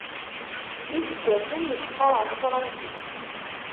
D iseggasen nekk qqareɣ tafransist.